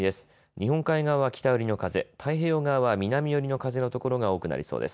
日本海側は北寄りの風、太平洋側は南寄りの風の所が多くなりそうです。